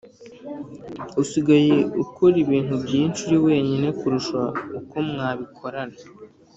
usigaye ukora ibintu byinshi uri wenyine kurusha uko mwabikorana